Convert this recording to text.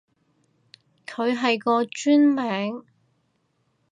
佢係個專名